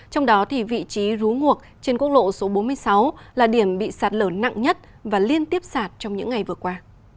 trong đó vị trí rú nguộc trên quốc lộ số bốn mươi sáu là điểm bị sạt lở nặng nhất và liên tiếp sạt trong những ngày vừa qua